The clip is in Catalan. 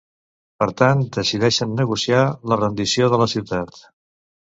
Per tant decideixen negociar la rendició de la ciutat.